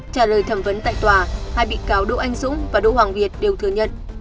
trả lời thẩm vấn tại tòa hai bị cáo đỗ anh dũng và đỗ hoàng việt đều thừa nhận